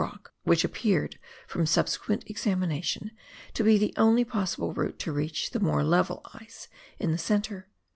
ock, which appeared from subsequent examination to be the only possible route to reach the more level ice in the centre.